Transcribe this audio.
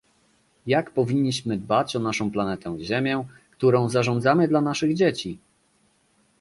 Jak powinniśmy dbać o naszą planetę Ziemię, którą zarządzamy dla naszych dzieci?